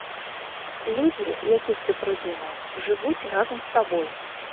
Людзі, якіх ты прыдумаў, жывуць разам з табой.